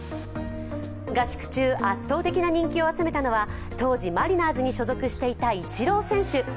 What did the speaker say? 合宿中、圧倒的な人気を集めたのは当時マリナーズに所属していたイチロー選手。